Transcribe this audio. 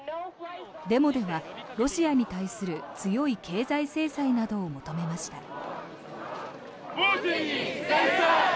デモではロシアに対する強い経済制裁などを求めました。